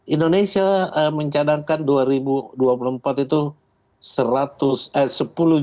indonesia mencadangkan dua ribu dua puluh empat itu